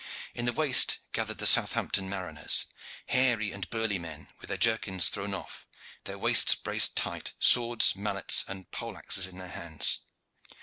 In the waist gathered the Southampton mariners, hairy and burly men, with their jerkins thrown off, their waists braced tight, swords, mallets, and pole axes in their hands.